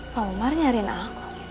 pak umar nyariin aku